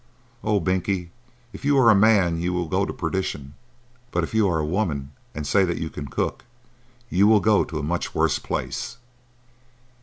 Oh, Binkie, if you are a man you will go to perdition; but if you are a woman, and say that you can cook, you will go to a much worse place."